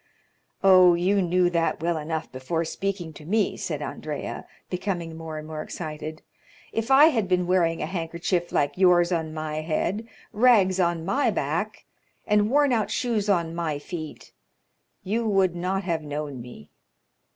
"Oh, you knew that well enough before speaking to me," said Andrea, becoming more and more excited. "If I had been wearing a handkerchief like yours on my head, rags on my back, and worn out shoes on my feet, you would not have known me."